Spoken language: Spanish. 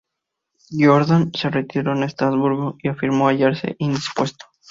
Jourdan se retiró a Estrasburgo, y afirmó hallarse indispuesto.